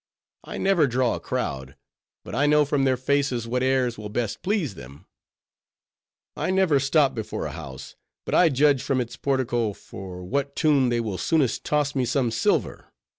I never draw a crowd, but I know from their faces what airs will best please them; I never stop before a house, but I judge from its portico for what tune they will soonest toss me some silver.